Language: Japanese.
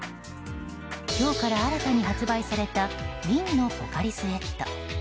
今日から新たに発売された瓶のポカリスエット。